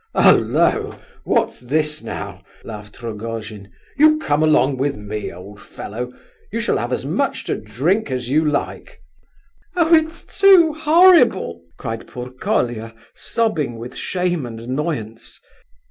"Halloa! what's this now?" laughed Rogojin. "You come along with me, old fellow! You shall have as much to drink as you like." "Oh, it's too horrible!" cried poor Colia, sobbing with shame and annoyance.